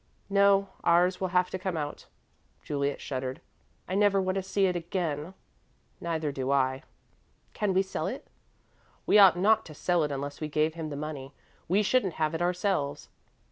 "No. Ours will have to come out." Juliet shuddered. "I never want to see it again." "Neither do I." "Can we sell it?" "We ought not to sell it unless we gave him the money. We shouldn't have it ourselves."